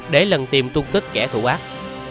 để lần tìm tuôn tích kẻ thủ ác